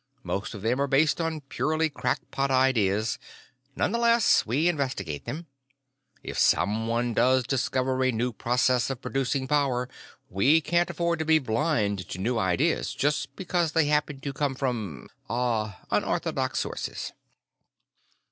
Most of them are based on purely crackpot ideas. None the less, we investigate them. If someone does discover a new process of producing power, we can't afford to be blind to new ideas just because they happen to come from ... ah ... unorthodox sources.